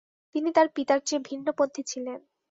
তিনি তার পিতার চেয়ে ভিন্নপন্থি ছিলেন।